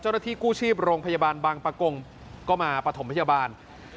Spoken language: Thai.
เจ้าหน้าที่กู้ชีพโรงพยาบาลบางประกงก็มาปฐมพยาบาล